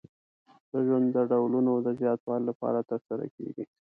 د ژوند د ډولونو د زیاتوالي لپاره ترسره کیږي.